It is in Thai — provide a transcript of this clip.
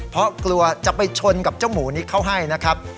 เพราะกลัวจะไปชนกับเจ้าหมูนี้เขาให้นะครับ